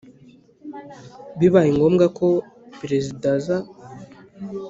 bibaye ngombwa ko Perezidaaza